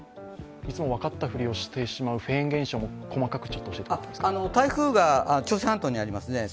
いつも分かったふりをしてしまうフェーン現象も台風が朝鮮半島にありますね。